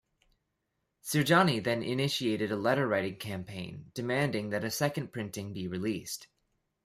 Sirjani then initiated a letter-writing campaign, demanding that a second printing be released.